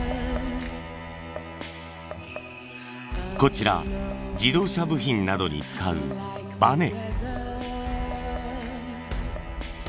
こちら自動車部品などに使うバネ。